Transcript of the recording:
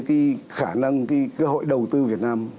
cái khả năng cái cơ hội đầu tư việt nam